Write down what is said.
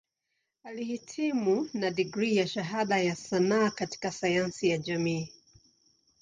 Alihitimu na digrii ya Shahada ya Sanaa katika Sayansi ya Jamii.